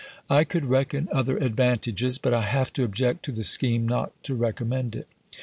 I could reckon other advantages, but I have to object to the scheme, not to recommend it.